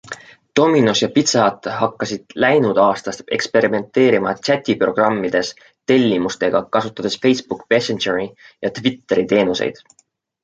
Domino's ja Pizza Hut hakkasid läinud aastast eksperimenteerima chatiprogrammides tellimustega, kasutades Facebook Messangeri ja Twiteri teenuseid.